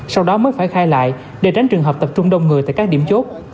sau đó mới phải khai lại để tránh trường hợp tập trung đông người tại các điểm chốt